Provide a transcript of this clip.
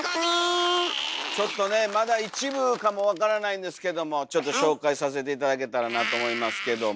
ちょっとねまだ一部かもわからないんですけどもちょっと紹介させて頂けたらなと思いますけども。